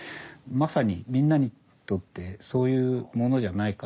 まさにみんなにとってそういうものじゃないかなと思うんです。